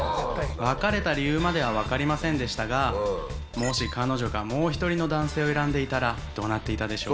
別れた理由までは分かりませんでしたがもし彼女がもう１人の男性を選んでいたらどうなっていたでしょう。